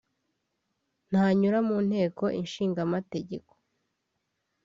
ntanyura mu Nteko Ishinga Amategeko